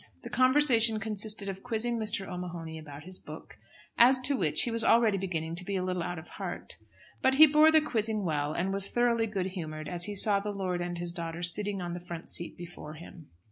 The conversation consisted of quizzing Mr. O'Mahony about his book, as to which he was already beginning to be a little out of heart. But he bore the quizzing well, and was thoroughly good humoured as he saw the lord and his daughter sitting on the front seat before him.